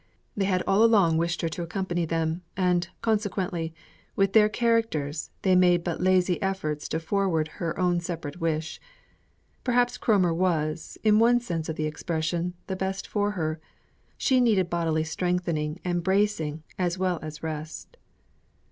They had all along wished her to accompany them, and, consequently, with their characters, they made but lazy efforts to forward her own separate wish. Perhaps Cromer was, in one sense of the expression, the best for her. She needed bodily strengthening and bracing as well as rest.